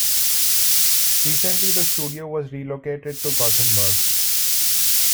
Recently, the studio was relocated to Gothenburg.